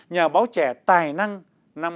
nhà báo trẻ tài năng năm hai nghìn một mươi tám